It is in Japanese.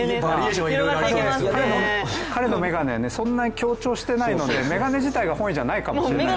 彼のメガネ、そんなに強調していないのに、メガネ自体が本意じゃないかもしれないですね。